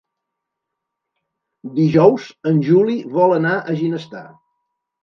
Dijous en Juli vol anar a Ginestar.